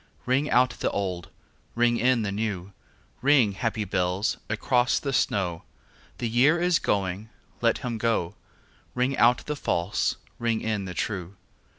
Ring out the old, ring in the new, Ring, happy bells, across the snow: The year is going, let him go; Ring out the false, ring in the true.